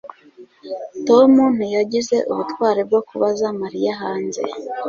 Tom ntiyagize ubutwari bwo kubaza Mariya hanze